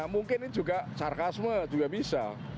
mungkin ini juga sarkasme juga bisa